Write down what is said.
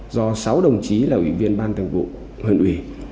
do sáu đồng chí là ủy viên ban thường vụ huyện ủy